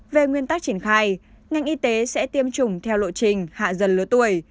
về nguyên tắc triển khai ngành y tế sẽ tiêm chủng theo lộ trình hạ dần lứa tuổi